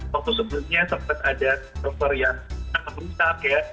waktu sebelumnya sempat ada server yang sangat rusak ya